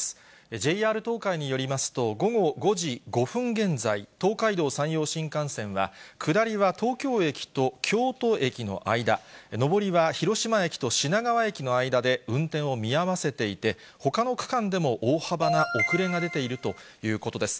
ＪＲ東海によりますと、午後５時５分現在、東海道・山陽新幹線は、下りは東京駅と京都駅の間、上りは広島駅と品川駅の間で運転を見合わせていて、ほかの区間でも大幅な遅れが出ているということです。